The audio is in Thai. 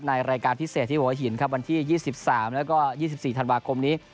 รายการพิเศษที่หัวหินครับวันที่๒๓แล้วก็๒๔ธันวาคมนี้